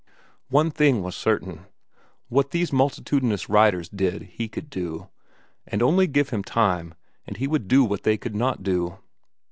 One thing was certain: What these multitudinous writers did he could do, and only give him time and he would do what they could not do.